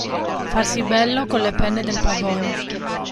Farsi bello con le penne del pavone.